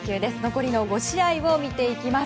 残りの５試合を見ていきます。